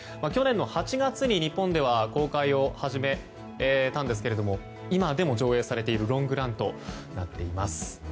去年の８月に日本では公開を始めたんですが今でも上映されているロングランとなっています。